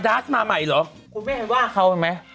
ออร์ดาชมาใหม่เหรอคุณไม่ว่าเขาเห็นไหม